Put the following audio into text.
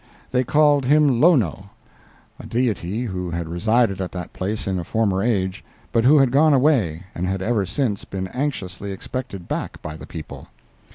They called him Lono—a deity who had resided at that place in a former age, but who had gone away and had ever since been anxiously expected back by the people.